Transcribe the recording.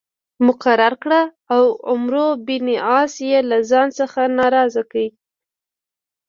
مقرر کړ او عمرو بن عاص یې له ځان څخه ناراض کړ.